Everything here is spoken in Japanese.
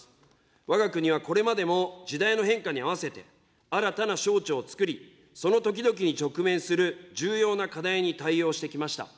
わが国はこれまでも時代の変化に合わせて、新たな省庁をつくり、その時々に直面する重要な課題に対応してきました。